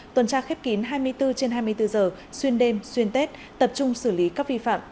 tuần tra khép kín hai mươi bốn trên hai mươi bốn giờ xuyên đêm xuyên tết tập trung xử lý các vi phạm